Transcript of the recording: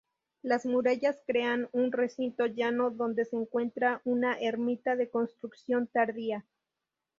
Las murallas crean un recinto llano donde se encuentra una ermita de construcción tardía.